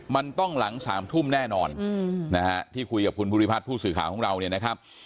มันต้องหลัง๓ทุ่มแน่นอนนะฮะที่คุยกับคุณภูริพัฒน์ผู้สื่อข่าวของเราเนี่ยนะครับ